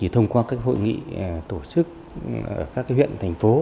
thông qua các hội nghị tổ chức ở các huyện thành phố